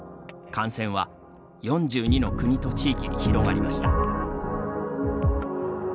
感染は４２の国と地域に広がりました。